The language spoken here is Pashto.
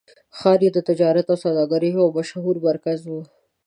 ښار یې د تجارت او سوداګرۍ یو مشهور مرکز و.